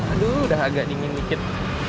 aduh sudah agak dingin sedikit